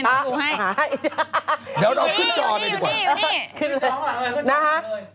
เดี๋ยวขึ้นจอไปดีกว่า